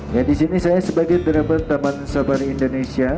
ya disini saya sebagai driver taman sapari indonesia